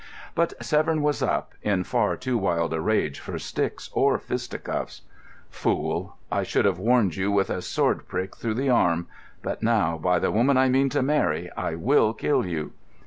But Severn was up, in far too wild a rage for sticks or fisticuffs. "Fool, I should have warned you with a sword prick through the arm, but now, by the woman I mean to marry, I will kill you."